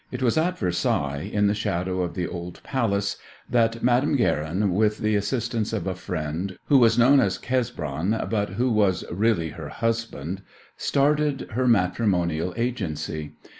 It was at Versailles, in the shadow of the old palace, that Madame Guerin, with the assistance of a friend, who was known as Cesbron, but who was really her husband, started her matrimonial agency.